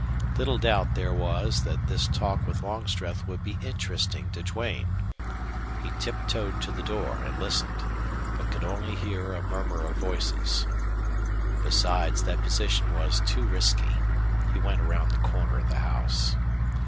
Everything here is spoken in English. Little doubt there was that his talk with Longstreth would be interesting to Duane. He tiptoed to the door and listened, but could hear only a murmur of voices. Besides, that position was too risky. He went round the corner of the house.